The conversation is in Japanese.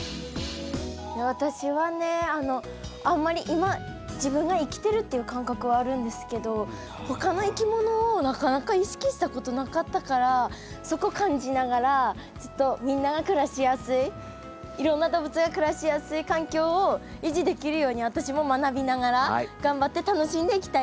今自分が生きてるっていう感覚はあるんですけど他のいきものをなかなか意識したことなかったからそこ感じながらちょっとみんなが暮らしやすいいろんな動物が暮らしやすい環境を維持できるように私も学びながら頑張って楽しんでいきたいなって思ってます。